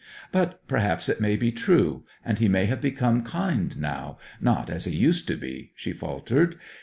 'But perhaps it may be true and he may have become kind now not as he used to be,' she faltered.